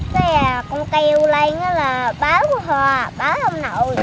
cái con kêu lên là báo qua hòa báo ông nội